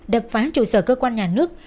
đập phá trụ sở cơ quan nhà nước